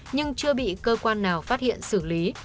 nhưng chưa bị cơ quan nào phát hiện xử lý